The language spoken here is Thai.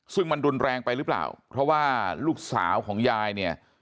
ซึ่งมันรุนแรงไปหรือเปล่าเพราะว่าลูกสาวของยายเนี่ย